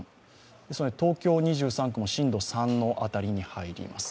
東京２３区も震度３の辺りに入ります。